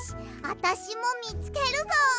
あたしもみつけるぞ。